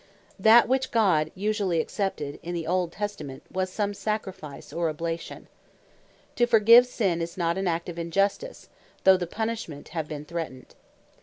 That which God usually accepted in the Old Testament, was some Sacrifice, or Oblation. To forgive sin is not an act of Injustice, though the punishment have been threatned.